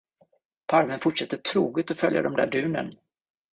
Parveln fortsatte troget att följa de där dunen.